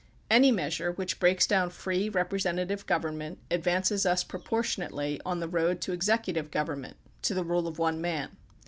Any measure which breaks down free representative government, advances us proportionately on the road to executive government, to the rule of one man.